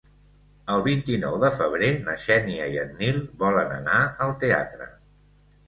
El vint-i-nou de febrer na Xènia i en Nil volen anar al teatre.